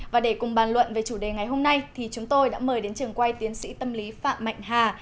và để cùng bàn luận về chủ đề ngày hôm nay thì chúng tôi đã mời đến trường quay tiến sĩ tâm lý phạm mạnh hà